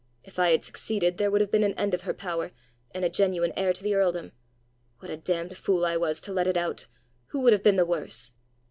If I had succeeded, there would have been an end of her power, and a genuine heir to the earldom! What a damned fool I was to let it out! Who would have been the worse!"